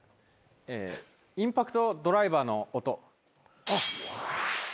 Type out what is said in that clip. インパクトドライバーの音。